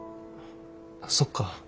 そっか。